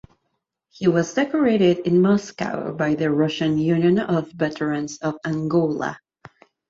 He was decorated in Moscow by the Russian Union of Veterans of Angola.